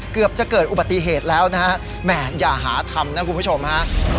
เกือบจะเกิดอุบัติเหตุแล้วนะฮะแหม่อย่าหาทำนะคุณผู้ชมฮะ